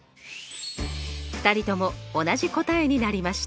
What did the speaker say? ２人とも同じ答えになりました。